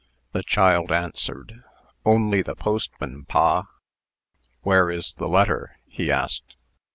The child answered: "Only the postman, pa." "Where is the letter?" he asked.